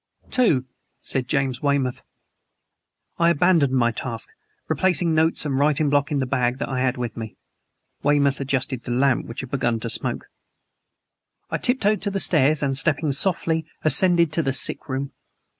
"Two," said James Weymouth. I abandoned my task, replacing notes and writing block in the bag that I had with me. Weymouth adjusted the lamp which had begun to smoke. I tiptoed to the stairs and, stepping softly, ascended to the sick room.